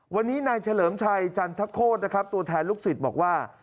วันนี้นายเฉลิมชัยจันทโคตรนะครับตัวแทนลูกศิษย์บอกว่า